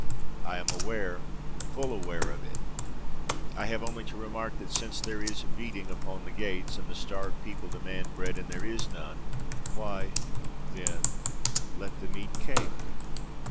I am aware, full aware of it. I have only to remark that, since there is a beating upon the gates and the starved people demand bread and there is none, 'Why then, let them eat cake!'